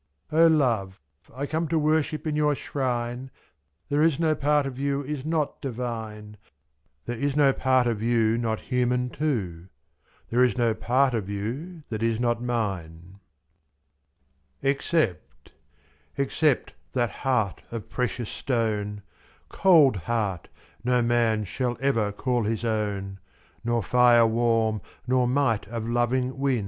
59 O Love, I come to worship in your shrine y There is no part of you is not divine, ZS' There is no part of you not human too^ There is no part of you that is not mine ; Except — except — that heart of precious stone y Cold heart no man shall ever call his own, '^j^ Nor fire warm, nor might of loving win.